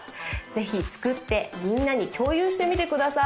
ぜひ作ってみんなに共有してみてください